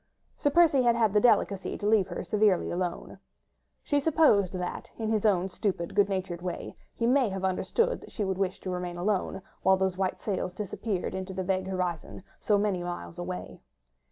Sir Percy had had the delicacy to leave her severely alone. She supposed that, in his own stupid, good natured way, he may have understood that she would wish to remain alone, while those white sails disappeared into the vague horizon, so many miles away.